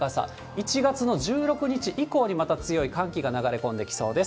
１月の１６日以降にまた強い寒気が流れ込んできそうです。